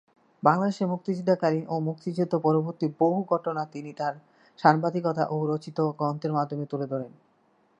বাংলাদেশের মুক্তিযুদ্ধকালীন ও মুক্তিযুদ্ধ পরবর্তী বহু ঘটনা তিনি তার সাংবাদিকতা ও রচিত গ্রন্থের মাধ্যমে তুলে ধরেন।